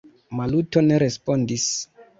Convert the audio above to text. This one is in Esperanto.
Maluto ne respondis.